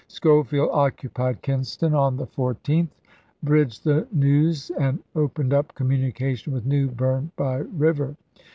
Schofield occupied Kinston March, 1865. on the 14th, bridged the Neuse, and opened up communication with New Berne by river.